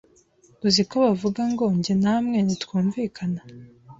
Uzi ko bavuga ngo jye namwe ntitwumvikana,